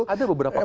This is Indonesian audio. ada beberapa kali